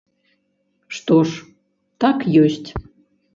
Што ж, так ёсць.